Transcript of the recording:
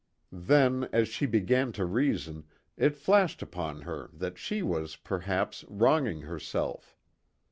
Then, as she began to reason, it flashed upon her that she was, perhaps, wronging herself.